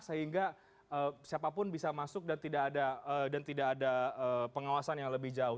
sehingga siapapun bisa masuk dan tidak ada pengawasan yang lebih jauh